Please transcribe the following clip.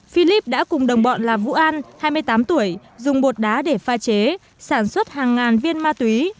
philip đã cùng đồng bọn là vũ an hai mươi tám tuổi dùng bột đá để pha chế sản xuất hàng ngàn viên ma túy